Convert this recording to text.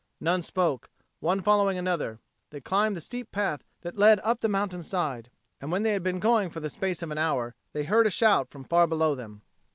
None spoke; one following another, they climbed the steep path that led up the mountain side; and when they had been going for the space of an hour, they heard a shout from far below them.